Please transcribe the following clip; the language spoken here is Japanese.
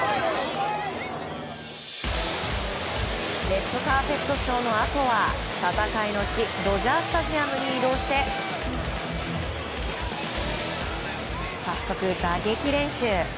レッドカーペットショーのあとは戦いの地、ドジャースタジアムに移動して早速、打撃練習。